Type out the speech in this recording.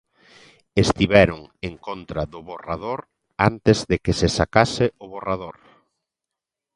Estiveron en contra do borrador antes de que se sacase o borrador.